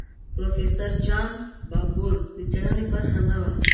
پروفیسور جان باربور د څېړنې برخه نه وه.